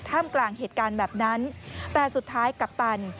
กลางเหตุการณ์แบบนั้นแต่สุดท้ายกัปตัน